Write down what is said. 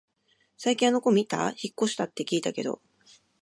最近あの子みた？引っ越したって聞いたけど